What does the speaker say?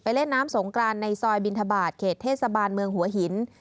เล่นน้ำสงกรานในซอยบินทบาทเขตเทศบาลเมืองหัวหิน